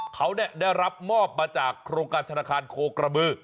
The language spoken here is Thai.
เขาได้รับมอบมาจากโครงการธนาคารโคกระบือ